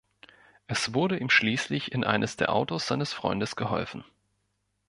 Es wurde ihm schließlich in eines der Autos seines Freundes geholfen.